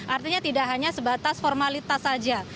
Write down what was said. artinya tidak hanya sebatas formalitas saja